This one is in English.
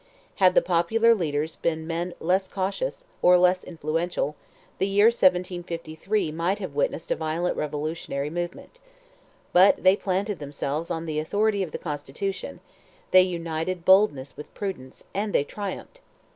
Had the popular leaders been men less cautious, or less influential, the year 1753 might have witnessed a violent revolutionary movement. But they planted themselves on the authority of the constitution, they united boldness with prudence, and they triumphed.